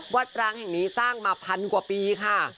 ร้างแห่งนี้สร้างมาพันกว่าปีค่ะ